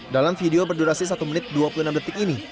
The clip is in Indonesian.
dalam video berdurasi satu menit dua puluh enam detik ini